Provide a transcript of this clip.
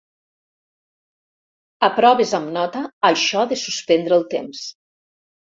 Aproves amb nota això de suspendre el temps.